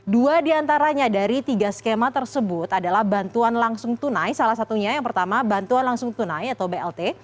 dua diantaranya dari tiga skema tersebut adalah bantuan langsung tunai salah satunya yang pertama bantuan langsung tunai atau blt